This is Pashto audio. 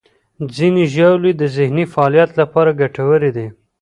ځینې ژاولې د ذهني فعالیت لپاره ګټورې دي.